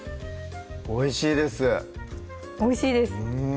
おいしいですおいしいです